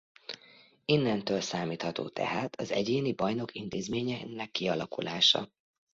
Innentől számítható tehát az egyéni bajnok intézményének kialakulása.